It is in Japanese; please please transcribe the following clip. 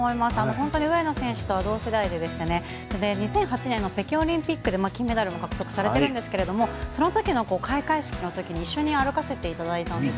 本当に上野選手とは同世代で２００８年の北京オリンピックで金メダルを獲得されてるんですがそのときの開会式のときに一緒に歩かせていただいたんです